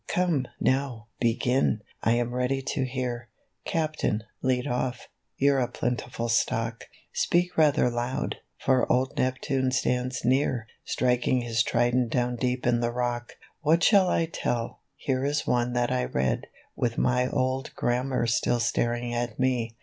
" Come, now, begin ! I am ready to hear ; Captain, lead off; you've a plentiful stock. Speak rather loud ; for old Heptune stands near, Striking his trident down deep in the rock." " What shall I tell ? Here is one that I read, With my old Grammar still staring at me.